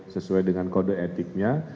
sesuai dengan kode etiknya